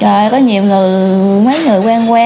trời ơi có nhiều người mấy người quen quen